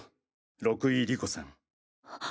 六井理子さん。